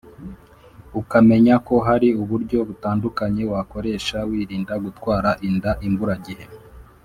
ukamenya ko hari uburyo butandukanye wakoresha wirinda gutwara inda imburagihe,